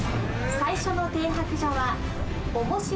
最初の停泊所は。